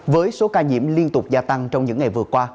với số ca nhiễm liên tục gia tăng trong những ngày vừa qua